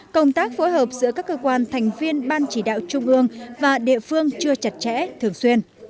công tác phối hợp giữa các cơ quan thành viên ban chỉ đạo trung ương và địa phương chưa chặt chẽ thường xuyên